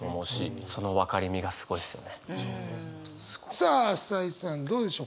さあ朝井さんどうでしょう？